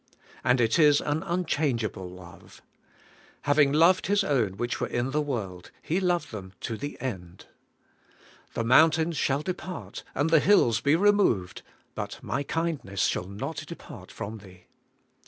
And it is an unchangeable love. 'Having loved 168 ABIDE IN CHRIST: His own which were in the world, He loved them to the end.' 'The mountains shall depart, and the hills be removed, but my kindness shall not depart from thee.'